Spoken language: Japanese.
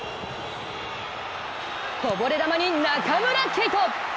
こぼれ球に中村敬斗。